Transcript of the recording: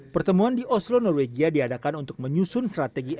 pertemuan di oslo norwegia diadakan untuk menyusun strategi